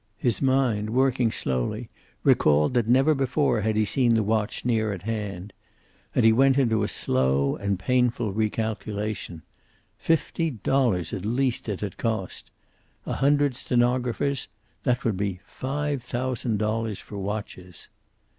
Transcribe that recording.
His mind, working slowly, recalled that never before had he seen the watch near at hand. And he went into a slow and painful calculation. Fifty dollars at least it had cost. A hundred stenographers that would be five thousand dollars for watches.